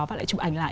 và lại chụp ảnh lại